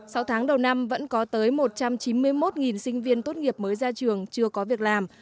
sau tháng đầu năm vẫn có tới một trăm chín mươi một sinh viên tốt nghiệp mới ra trường chưa có việc làm